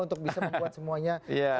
untuk bisa membuat semuanya